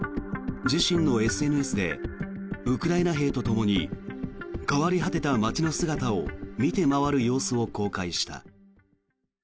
自身のＳＮＳでウクライナ兵とともに変わり果てた街の姿を見て回る様子を公開した。